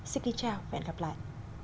xin kính chào và hẹn gặp lại